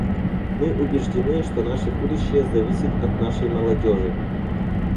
Мы убеждены, что наше будущее зависит от нашей молодежи.